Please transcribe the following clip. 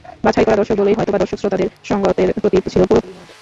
বাছাই করা দর্শক বলেই হয়তোবা দর্শক শ্রোতাদেরও সংগতের প্রতি ছিল পুরোপুরি মনোযোগ।